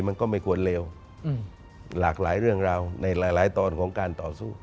มันก็ไม่ควรเลวหลากหลายเรื่องราวในหลายตอนของการต่อสู้